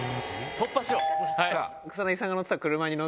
突破しよう！